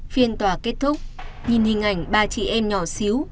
phiên tòa kết thúc nhìn hình ảnh ba chị em nhỏ xíu